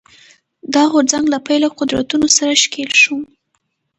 دا غورځنګ له پیله قدرتونو سره ښکېل شو